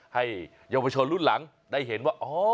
ให้เยาวชนรุ่นหลังได้เห็นว่า